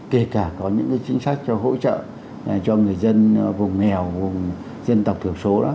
kể cả có những chính sách cho hỗ trợ cho người dân vùng mèo vùng dân tộc thường số